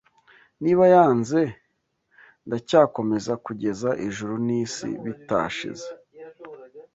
Niba yanze, ndacyakomeza kugeza Ijuru n'isi bitashize